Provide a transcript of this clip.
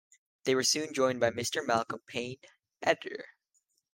They were soon joined by Mr. Malcolm Payne, Editor.